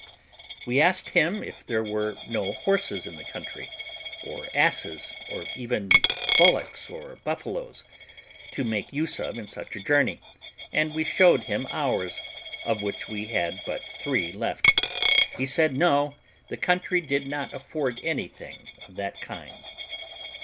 We asked him if there were no horses in the country, or asses, or even bullocks or buffaloes, to make use of in such a journey, and we showed him ours, of which we had but three left. He said no, all the country did not afford anything of that kind.